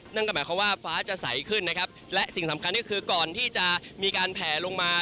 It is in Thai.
นั่นก็หมายความว่าฟ้าจะใสขึ้นนะครับและสิ่งสำคัญก็คือก่อนที่จะมีการแผลลงมา